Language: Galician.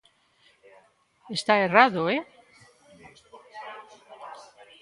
Está errado, ¿eh?